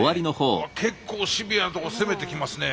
うわ結構シビアなとこ攻めてきますね。